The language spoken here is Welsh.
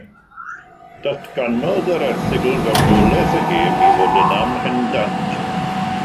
Datganodd yr erthygl fodolaeth y gêm i fod yn "amhendant".